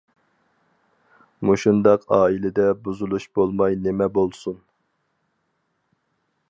مۇشۇنداق ئائىلىدە بۇزۇلۇش بولماي نېمە بولسۇن!